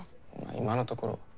今のところ。